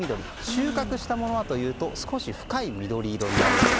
収穫したものはというと少し深い緑色になります。